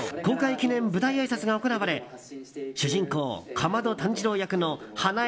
記念舞台あいさつが行われ主人公・竈門炭治郎役の花江